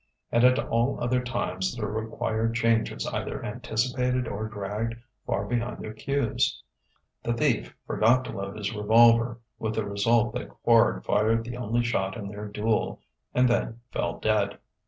And at all other times the required changes either anticipated or dragged far behind their cues. The Thief forgot to load his revolver, with the result that Quard fired the only shot in their duel and then fell dead.